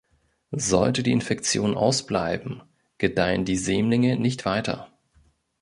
Sollte die Infektion ausbleiben, gedeihen die Sämlinge nicht weiter.